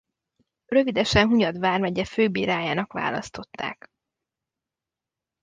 Rövidesen Hunyad vármegye főbírájának választották.